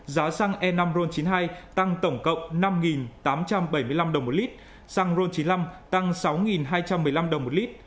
giá xăng e năm ron chín mươi hai tăng tổng cộng năm tám trăm bảy mươi năm đồng một lít xăng ron chín mươi năm tăng sáu hai trăm một mươi năm đồng một lít